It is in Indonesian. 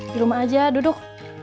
di rumah aja duduk